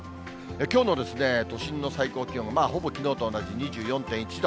きょうの都心の最高気温は、ほぼきのうと同じ２４．１度。